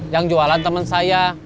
yang jualan temen saya